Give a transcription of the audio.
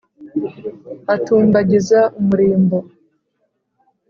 atumbagiza umurimbo